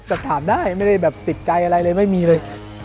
แต่ถามได้ไม่ได้แบบติดใจอะไรเลยไม่มีเลย